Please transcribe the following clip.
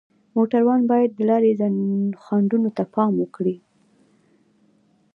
موټروان باید د لارې خنډونو ته پام وکړي.